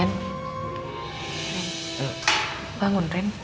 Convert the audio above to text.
ren bangun ren